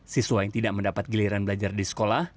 siswa yang tidak mendapat giliran belajar di sekolah